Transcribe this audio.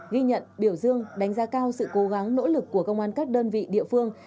ghi nhận biểu dương đánh giá cao sự cố gắng nỗ lực của công an các đơn vị địa phương